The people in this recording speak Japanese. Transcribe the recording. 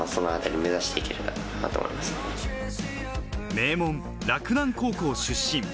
名門・洛南高校出身。